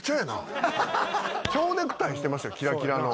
ちょうネクタイしてましたキラキラの。